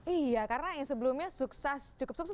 iya karena yang sebelumnya sukses cukup sukses